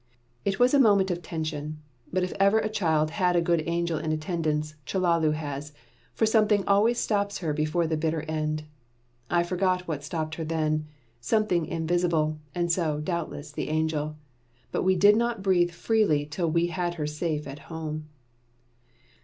It was a moment of tension; but if ever a child had a good angel in attendance, Chellalu has, for something always stops her before the bitter end. I forget what stopped her then; something invisible, and so, doubtless, the angel. But we did not breathe freely till we had her safe at home.